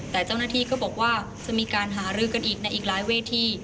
แต่เจ้าหน้าที่ก็บอกว่าจะมีการหารือกันอีกในอีกหลายเวที